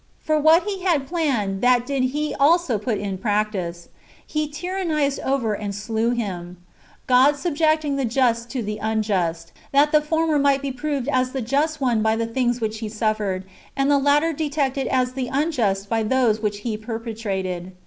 For what he had planned, that did he also put in practice : he tyrannized over and slew him ; God subjecting the just to the unjust, that the former might be proved as the just one by the things which he suffered, and the latter detected as the unjust by those which he perpetrated.